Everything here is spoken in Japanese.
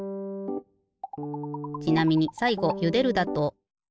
ちなみにさいごゆでるだと。